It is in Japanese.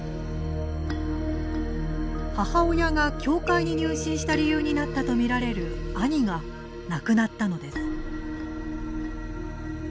母親が教会に入信した理由になったとみられる兄が亡くなったのです。